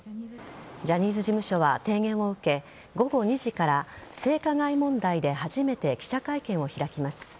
ジャニーズ事務所は提言を受け午後２時から性加害問題で初めて記者会見を開きます。